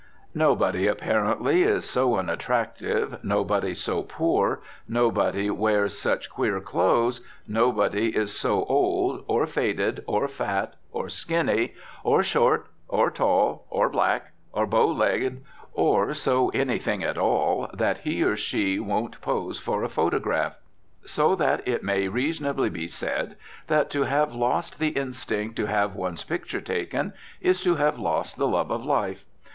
Nobody, apparently, is so unattractive, nobody so poor, nobody wears such queer clothes, nobody is so old, or faded, or fat, or "skinny," or short, or tall, or black, or bow legged, or so anything at all, that he or she won't pose for a photograph. So that it may reasonably be said, that to have lost the instinct to have one's "picture taken" is to have lost the love of life.